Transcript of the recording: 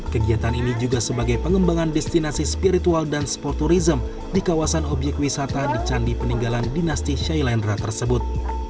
kegiatan ini juga sebagai pengembangan destinasi spiritual dan sporturism di kawasan objek wisata di candi peninggalan dinasti shailendra tersebut